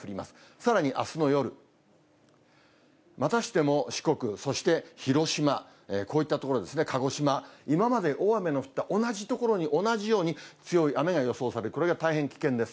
さらにあすの夜、またしても四国、そして広島、こういった所ですね、鹿児島、今まで大雨の降った同じ所に、同じように強い雨が予想される、これが大変危険です。